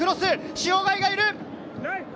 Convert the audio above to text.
塩貝がいる！